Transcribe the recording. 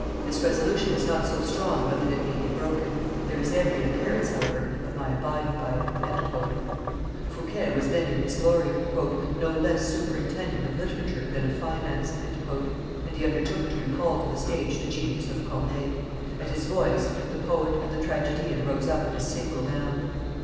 This resolution is not so strong but that it may be broken; there is every, appearance, however, of my abiding by it." Fouquet was then in his glory, "no less superintendent of literature than of finance," and he undertook to recall to the stage the genius of Corneille. At his voice, the poet and the tragedian rose up at a single bound.